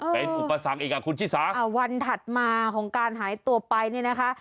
เป็นอุปสรรคอีกอ่ะคุณชิสาวันถัดมาของการหายตัวไปเนี่ยนะคะ